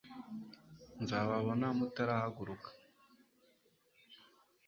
nzababona mutaragulika